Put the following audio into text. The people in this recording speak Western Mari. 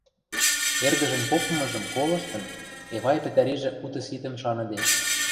Эргӹжӹн попымыжым колыштын, Эвай пӹтӓрижӹ уты-ситӹм шаныде.